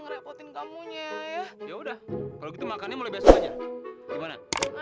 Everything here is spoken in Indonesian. ngerepotin kamu nya ya udah kalau gitu makannya mulai besok aja gimana mana